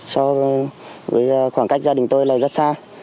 so với khoảng cách gia đình tôi là rất xa